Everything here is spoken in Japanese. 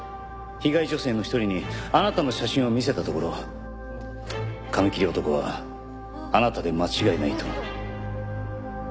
被害女性の一人にあなたの写真を見せたところ髪切り男はあなたで間違いないと。